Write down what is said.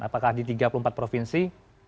apakah di tiga puluh empat provinsi